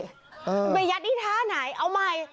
คุณไปยัดที่ท่าไหนเอาใหม่